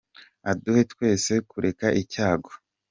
Aduhe twese kureka icyago